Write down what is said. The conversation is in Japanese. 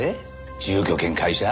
住居兼会社？